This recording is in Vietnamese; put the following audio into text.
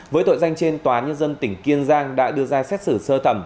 với tội danh trên tòa nhân dân tỉnh kiên giang đã đưa ra xét xử sơ thẩm